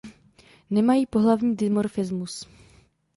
Nemají pohlavní dimorfismus.